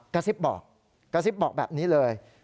กระซิบบอกแบบนี้เลย